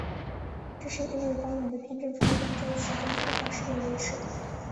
这是因为光源的偏振方向在其中通常是被维持的。